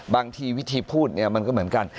บางทีวิธีพูดเนี่ยมันก็เหมือนกัน